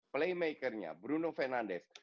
playmaker nya bruno fernandes